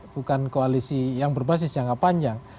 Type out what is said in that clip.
bukan koalisi yang berbasis jangka panjang